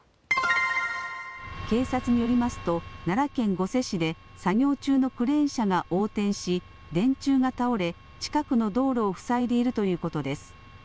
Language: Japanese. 警察によりますと奈良県御所市で作業中のクレーン車が横転し電柱が倒れ、近くの道路を塞いでいるということです。